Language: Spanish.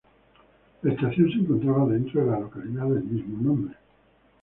La estación se encontraba dentro de la localidad del mismo nombre.